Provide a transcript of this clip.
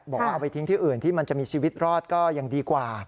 บอกว่าเอาไปทิ้งที่อื่นที่มันจะมีชีวิตรอดก็ยังดีกว่า